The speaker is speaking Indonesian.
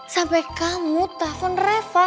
sampai kamu telfon refah